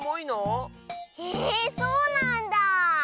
へえそうなんだ。